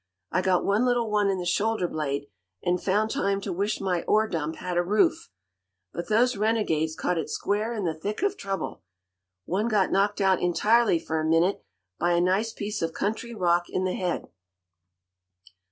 I got one little one in the shoulder blade, and found time to wish my ore dump had a roof. But those renegades caught it square in the thick of trouble. One got knocked out entirely for a minute, by a nice piece of country rock in the head.